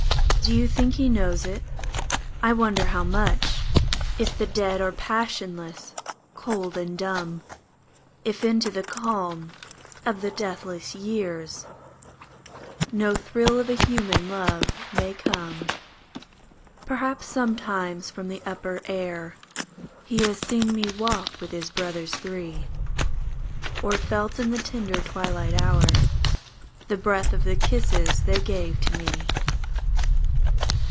Do you think he knows it ? I wonder much If the dead are passionless, cold, and dumb ; If into the calm of the deathless years No thrill of a human love may come ! PERADVENTURE 149 Perhaps sometimes from the upper air He has seen me walk with his brothers three ; Or felt in the tender twilight hour The breath of the kisses they gave to me